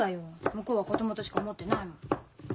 向こうは子供としか思ってないもん。